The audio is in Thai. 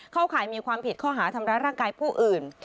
ข่ายมีความผิดข้อหาทำร้ายร่างกายผู้อื่น